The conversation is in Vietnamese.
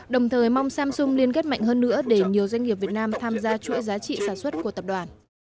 để nhiều doanh nghiệp việt nam tham gia chuỗi giá trị sản xuất của tập đoàn